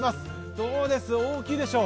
どうです、大きいでしょう。